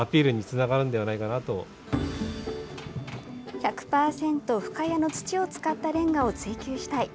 １００％深谷の土を使ったれんがを追求したい。